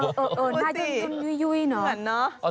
เออน่าจะยุ่ยเนอะ